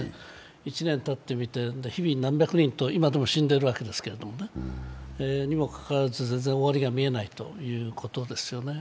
１年たってみて、日々、何百人と今でも死んでるわけですから。にもかかわらず全然終わりが見えないということですよね。